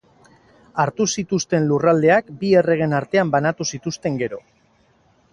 Hartu zituzten lurraldeak bi erregeen artean banatu zituzten gero.